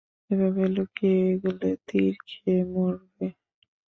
এভাবে লুকিয়ে এগোলে তীর খেয়ে মরবে।